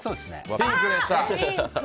ピンクでした。